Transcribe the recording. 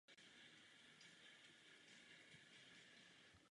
Vaše řečnická doba je čtyři minuty.